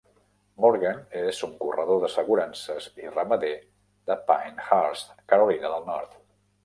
Morgan és un corredor d'assegurances i ramader de Pinehurst, Carolina del Nord.